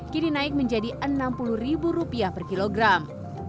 kini naik menjadi rp enam puluh per kilogram